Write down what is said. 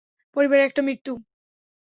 পরিবারে একটা মৃত্যু।